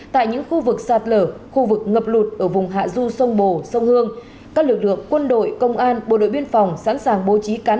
tại những khu vực sạt lở khu vực ngập lụt ở vùng hạ du sông bồ sông hương các lực lượng quân đội công an bộ đội biên phòng sẵn sàng bố trí cán